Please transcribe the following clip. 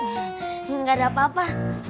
gak ada apa apa